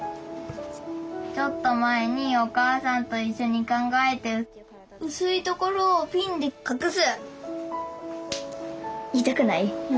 ちょっとまえにお母さんといっしょに考えて薄いところをピンで隠す！